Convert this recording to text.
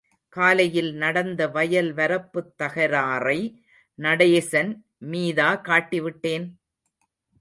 காலையில் நடந்த வயல் வரப்புத் தகராறை நடேசன் மீதா காட்டி விட்டேன்?